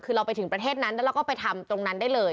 คือเราไปถึงประเทศนั้นแล้วเราก็ไปทำตรงนั้นได้เลย